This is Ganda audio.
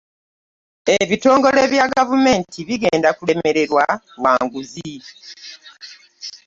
Ebitongole bya gavumenti bigenda kulemererwa lwa nguzi.